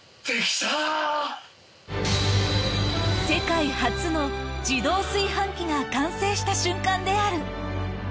世界初の自動炊飯器が完成した瞬間である。